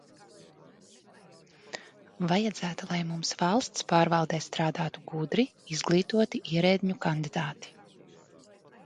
Vajadzētu, lai mums valsts pārvaldē strādātu gudri, izglītoti ierēdņu kandidāti.